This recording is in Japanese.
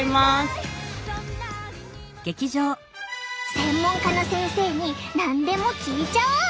専門家の先生に何でも聞いちゃお。